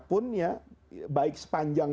pun ya baik sepanjang